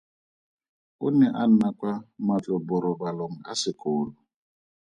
O ne a nna kwa matloborobalong a sekolo.